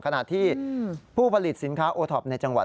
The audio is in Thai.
ขณะที่ผู้ผลิตสินค้าโอท็อปในจังหวัด